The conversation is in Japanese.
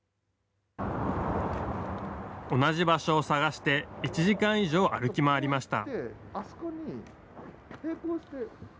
同じ場所を探して１時間以上歩き回りました。